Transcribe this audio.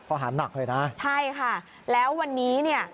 ข้อหาหนักเลยนะใช่ค่ะแล้ววันนี้เนี่ย